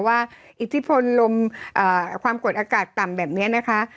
อิทธิพลลมความกดอากาศต่ำแบบนี้นะคะ